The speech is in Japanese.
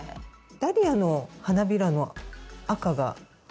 ダリアの花びらの赤が実は。